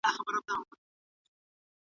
ماشومانو په ځیر ځیر ورته کتله .